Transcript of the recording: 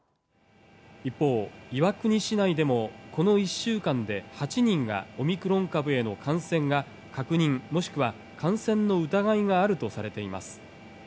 一方、岩国市内でもこの１週間で８人がオミクロン株への感染が確認、もしくは感染の疑いがあるとされています。